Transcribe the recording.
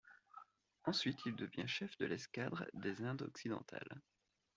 Ensuite il devient chef de l'escadre des Indes Occidentales.